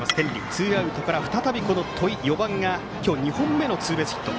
ツーアウトから再び４番の戸井が今日２本目のツーベースヒット。